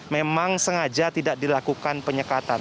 memang sengaja tidak dilakukan penyekatan